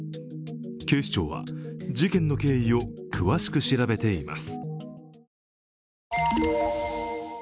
警視庁は事件の経緯を詳しく調べています。